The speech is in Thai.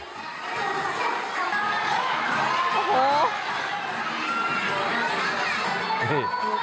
โอ้โห